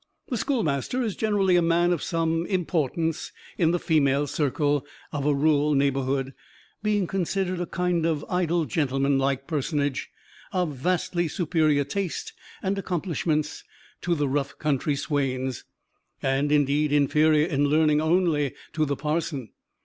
The schoolmaster is generally a man of some importance in the female circle of a rural neighborhood; being considered a kind of idle gentleman like personage, of vastly superior taste and accomplishments to the rough country swains, and, indeed, inferior in learning only to the parson.